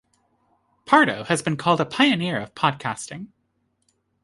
Pardo has been called a "pioneer" of podcasting.